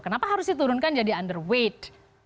kenapa harus diturunkan jadi underweight